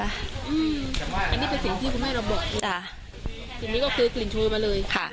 อันนี้เป็นสิ่งที่คุณแม่เราบอกจ้ะสิ่งนี้ก็คือกลิ่นโชยมาเลยค่ะ